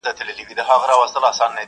هره شېبه د انتظار پر تناره تېرېږي!!